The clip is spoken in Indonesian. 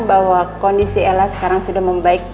bahwa kondisi ella sekarang sudah membaik